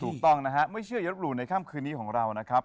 ถูกต้องนะฮะไม่เชื่ออย่าลบหลู่ในค่ำคืนนี้ของเรานะครับ